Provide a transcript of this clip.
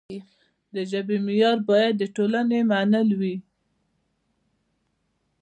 د ژبې معیار باید د ټولنې منل وي.